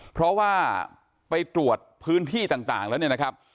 เพราะว่าไปตรวจพื้นที่ต่างแล้วเนี่ยนะครับ